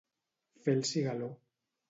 Fer el cigaló.